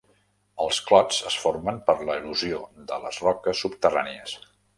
Els clots es formen per l'erosió de les roques subterrànies.